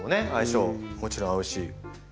もちろん合うし。